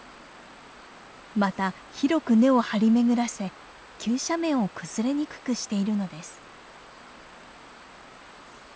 また広く根を張り巡らせ急斜面を崩れにくくしているのです。